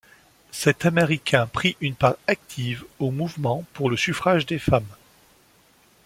Cet américain prit une part active aux mouvements pour le suffrage des femmes.